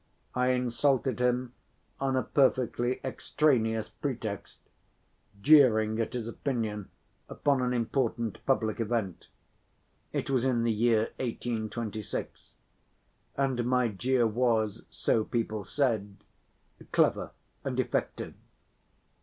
I insulted him on a perfectly extraneous pretext, jeering at his opinion upon an important public event—it was in the year 1826—and my jeer was, so people said, clever and effective.